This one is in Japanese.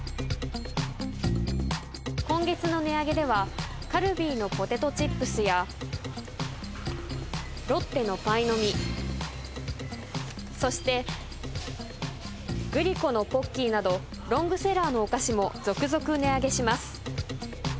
今月の値上げでは、カルビーのポテトチップスや、ロッテのパイの実、そして、グリコのポッキーなど、ロングセラーのお菓子も続々値上げします。